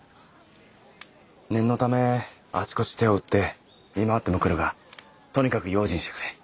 念のためあちこち手を打って見回ってもくるがとにかく用心してくれ。